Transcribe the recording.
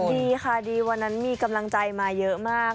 ดีค่ะดีวันนั้นมีกำลังใจมาเยอะมาก